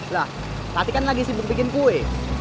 lah tadi kan lagi sibuk bikin kue